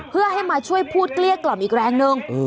เพื่อให้มาช่วยพูดเกลี้ยกล่อมอีกแรงนึง